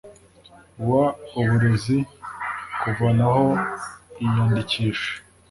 w Uburezi kuvanaho iyandikisha